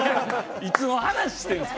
いつの話、してるんですか。